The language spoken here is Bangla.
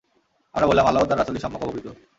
আমরা বললাম, আল্লাহ ও তাঁর রাসূলই সম্যক অবহিত।